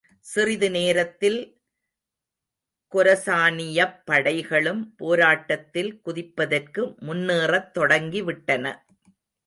சிறிது நேரத்தில் கொரசானியப்படைகளும் போராட்டத்தில் குதிப்பதற்கு முன்னேறத் தொடங்கிவிட்டன.